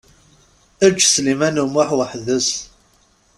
Eǧǧ Sliman U Muḥ weḥd-s.